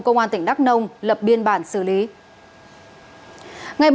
công an tỉnh đắk nông lập biên bản xử lý